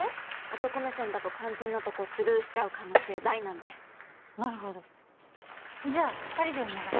男目線だと肝心なとこスルーしちゃう可能性大なんでなるほどじゃあ二人でお願い